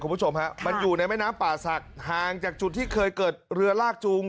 คุณผู้ชมฮะมันอยู่ในแม่น้ำป่าศักดิ์ห่างจากจุดที่เคยเกิดเรือลากจูง